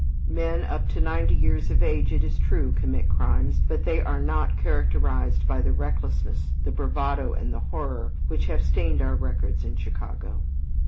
Men up to ninety years of age, it is true, commit crimes, but they are not characterized by the recklessness, the bravado and the horror which have stained our records in Chicago.